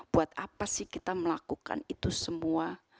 buat apa sih kita melakukan itu semua